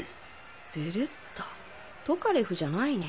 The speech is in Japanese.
ベレッタトカレフじゃないね。